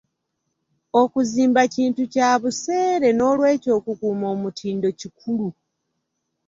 Okuzimba kintu kya buseere n'olw'ekyo okukuuma omutindo kikulu.